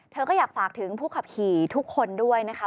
เธอก็อยากฝากถึงผู้ขับขี่ทุกคนด้วยนะคะ